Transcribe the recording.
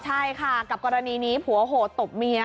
ใช่ค่ะกับกรณีนี้ผัวโหดตบเมีย